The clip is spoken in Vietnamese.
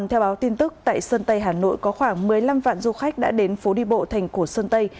theo báo tin tức tại sơn tây hà nội có khoảng một mươi năm vạn du khách đã đến phố đi bộ thành cổ sơn tây